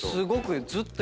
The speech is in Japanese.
ずっと。